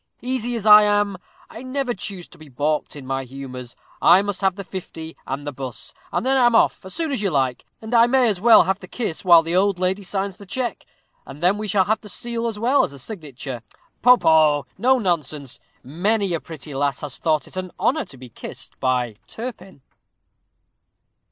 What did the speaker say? Easy as I am, I never choose to be balked in my humors. I must have the fifty and the buss, and then I'm off, as soon as you like; and I may as well have the kiss while the old lady signs the check, and then we shall have the seal as well as the signature. Poh poh no nonsense! Many a pretty lass has thought it an honor to be kissed by Turpin."